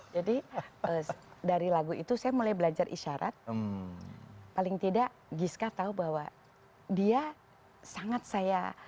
jadi dari lagu itu saya mulai belajar isyarat paling tidak giska tahu bahwa dia sangat saya